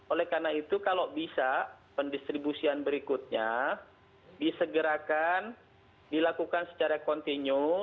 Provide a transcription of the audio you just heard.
oleh karena itu kalau bisa pendistribusian berikutnya disegerakan dilakukan secara kontinu